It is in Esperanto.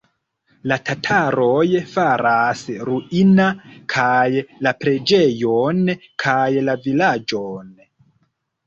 La tataroj faras ruina kaj la preĝejon, kaj la vilaĝon.